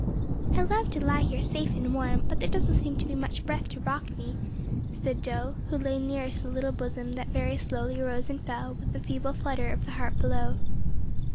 "I love to lie here safe and warm, but there doesn't seem to be much breath to rock me," said Do, who lay nearest the little bosom that very slowly rose and fell with the feeble flutter of the heart below.